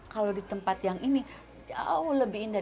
kalau di tempat yang ini jauh lebih indah